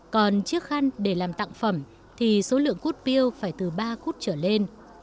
còn chiếc khăn để làm tặng phẩm thì số lượng cút pêu phải từ ba cút trở lên